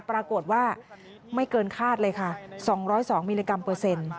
ปรากฏว่าไม่เกินคาดเลยค่ะ๒๐๒มิลลิกรัมเปอร์เซ็นต์